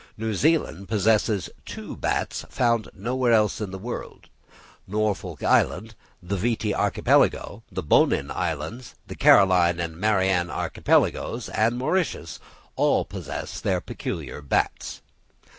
New Zealand possesses two bats found nowhere else in the world: Norfolk Island, the Viti Archipelago, the Bonin Islands, the Caroline and Marianne Archipelagoes, and Mauritius, all possess their peculiar bats.